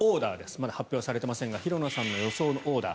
まだ発表されていませんが平野さんの予想のオーダー。